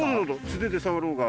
素手で触ろうが。